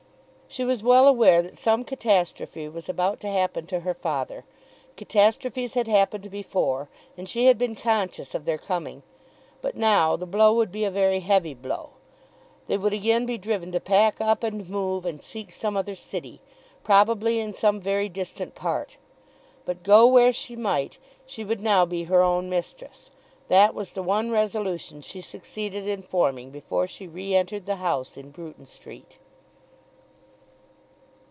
She was well aware that some catastrophe was about to happen to her father. Catastrophes had happened before, and she had been conscious of their coming. But now the blow would be a very heavy blow. They would again be driven to pack up and move and seek some other city, probably in some very distant part. But go where she might, she would now be her own mistress. That was the one resolution she succeeded in forming before she re entered the house in Bruton Street.